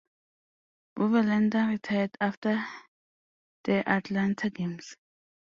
Bovelander retired after the Atlanta Games.